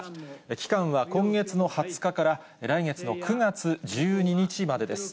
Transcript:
期間は今月の２０日から来月の９月１２日までです。